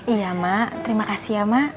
iya mak terima kasih ya mak